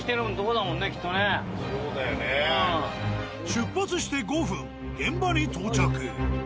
出発して５分現場に到着。